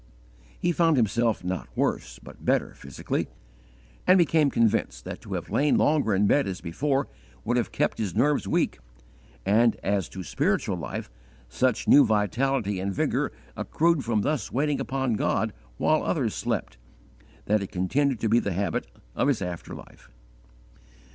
He found himself not worse but better, physically, and became convinced that to have lain longer in bed as before would have kept his nerves weak; and, as to spiritual life, such new vitality and vigour accrued from thus waiting upon God while others slept, that it continued to be the habit of his after life.